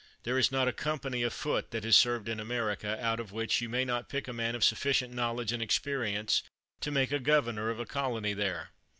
There is not a company of foot that has served in America, out of which you may not pick a man of sufficient knowledge and experience to make a governor of a colony there.